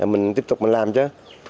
mình tiếp tục mình làm chứ